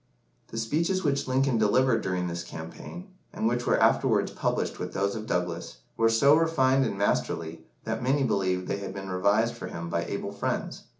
The speeches which Lincoln delivered during this campaign, and which were afterwards published with those of Douglas, were so refined and masterly that many believed they had been revised for him by able friends.